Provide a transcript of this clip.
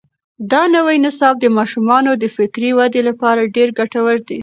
دا نوی نصاب د ماشومانو د فکري ودې لپاره ډېر ګټور دی.